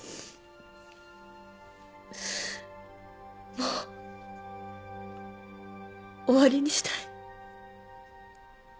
もう終わりにしたい。